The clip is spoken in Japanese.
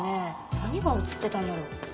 何が写ってたんだろう？